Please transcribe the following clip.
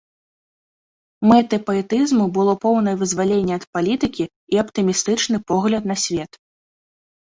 Мэтай паэтызму было поўнае вызваленне ад палітыкі і аптымістычны погляд на свет.